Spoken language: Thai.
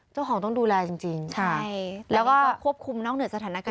ต้องดูแลจริงใช่แล้วก็ควบคุมนอกเหนือสถานการณ์